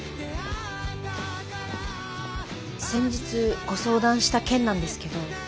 先日ご相談した件なんですけど。